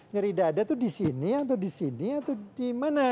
nyeri dada itu di sini atau di sini atau di mana